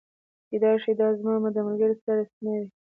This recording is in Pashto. کیدای شي دا زما د ملګري سړه سینه وه